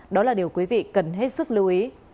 đó là điều quý vị cần hết sức lưu ý